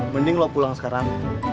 mending lo pulang sekarang